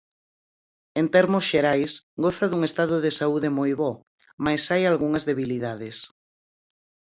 En termos xerais, goza dun estado de saúde moi bo, mais hai algunhas debilidades.